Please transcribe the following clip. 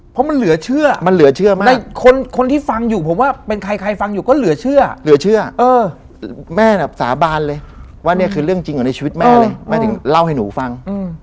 ปลูกค่อมต้นตะเคียนทอง